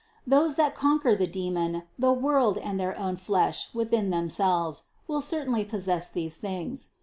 Those that conquer the demon, the world, and their own flesh within themselves, will certainly possess these things.